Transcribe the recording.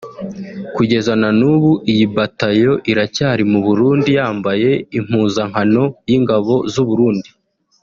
kugeza nan’ubu iyi bataillon iracyari mu Burundi yambaye impuzankano y’ingabo z’u Burundi